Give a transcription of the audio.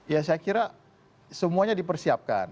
ya saya kira semuanya dipersiapkan